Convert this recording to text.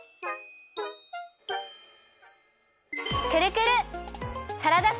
くるくる！